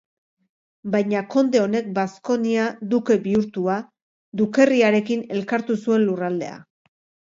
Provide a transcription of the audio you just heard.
Baina konde honek Baskonia duke bihurtua, dukerriarekin elkartu zuen lurraldea.